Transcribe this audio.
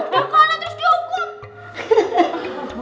udah kalah terus dihukum